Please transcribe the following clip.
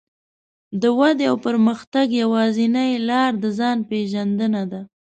د ودې او پرمختګ يوازينۍ لار د ځان پېژندنه ده.